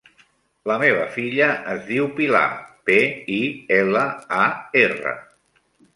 La meva filla es diu Pilar: pe, i, ela, a, erra.